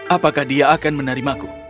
apakah dia akan menerimaku